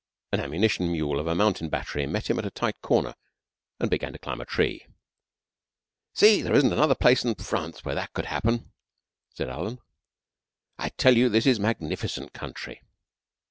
An ammunition mule of a mountain battery met him at a tight corner, and began to climb a tree. "See! There isn't another place in France where that could happen," said Alan. "I tell you, this is a magnificent country."